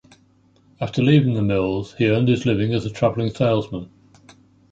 After leaving the mills, he earned his living as a traveling salesman.